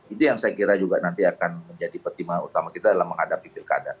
itu yang saya kira juga nanti akan menjadi pertimbangan utama kita dalam menghadapi pilkada